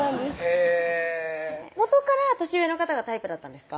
へぇ元から年上の方がタイプだったんですか？